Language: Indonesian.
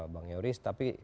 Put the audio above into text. bang yoris tapi